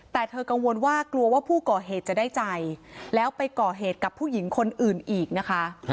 แต่เธอกังวลว่ากลัวว่าผู้ก่อเหตุจะได้ใจแล้วไปก่อเหตุกับผู้หญิงคนอื่นอีกนะคะ